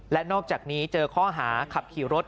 และนอกจากนี้เจอข้อหาขับขี่รถ